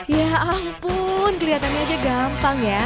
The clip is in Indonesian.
ya ampun kelihatannya aja gampang ya